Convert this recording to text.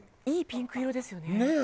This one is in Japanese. いいピンク色ですよね。